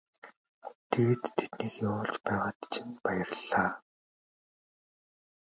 Тэгээд тэднийг явуулж байгаад чинь баярлалаа.